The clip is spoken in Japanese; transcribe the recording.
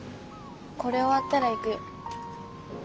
これ終わったら行くよ。